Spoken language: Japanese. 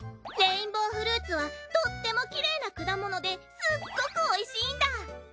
レインボーフルーツはとってもキレイな果物ですっごくおいしいんだ！